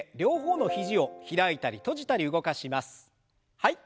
はい。